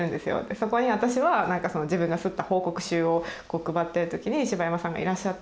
そこに私は自分が刷った報告集を配ってるときに柴山さんがいらっしゃって。